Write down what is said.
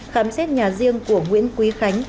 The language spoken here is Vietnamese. khám xét nhà riêng của nguyễn quý khánh